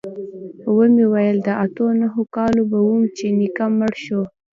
ومې ويل د اتو نهو کالو به وم چې نيکه مړ سو.